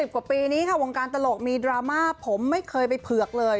กว่าปีนี้ค่ะวงการตลกมีดราม่าผมไม่เคยไปเผือกเลย